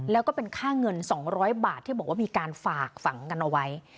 แล้วก็เป็นค่าเงิน๒๐๐บาทที่บอกว่ามีการฝากฝังกันเอาไว้